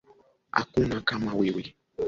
Hakuna kama wewe